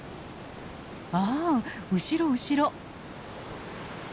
ああ後ろ後ろ！